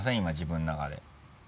今自分の中で。